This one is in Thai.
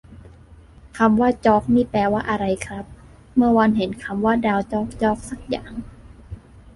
คำว่าจ๊อกนี่แปลว่าอะไรครับ เมื่อวานเห็นคำว่าดาวจ๊อกจ๊อกสักอย่าง